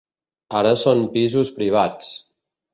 Ara són pisos privats.